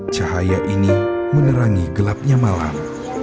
cahaya ini menerangi gelapnya malam